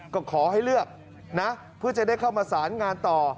ก็ขอให้เลือกนะเพื่อจะได้เข้ามาสารงานต่อ